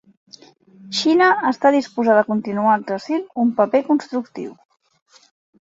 Xina està disposada a continuar exercint un paper constructiu.